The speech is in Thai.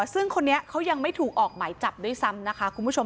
ซึ่งคนนี้เขายังไม่ถูกออกหมายจับด้วยซ้ำนะคะคุณผู้ชม